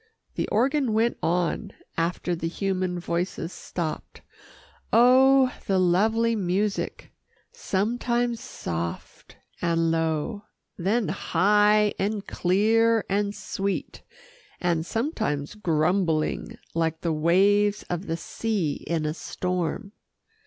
The organ went on after the human voices stopped oh! the lovely music sometimes soft and low, then high, and clear and sweet, and sometimes grumbling, like the waves of the sea in a storm.